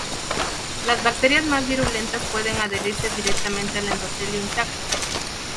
Las bacterias más virulentas pueden adherirse directamente al endotelio intacto.